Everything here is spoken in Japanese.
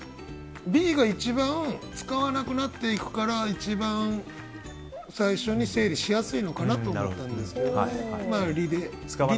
Ｂが一番使わなくなっていくから一番最初に整理しやすいのかなと思ったんですけど。